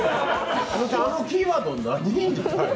あのキーワード何？